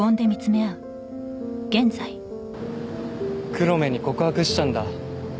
黒目に告白したんだ